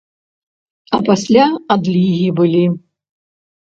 А пасля адлігі былі.